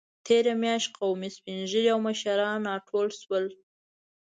تېره میاشت قومي سپینږیري او مشران راټول شول.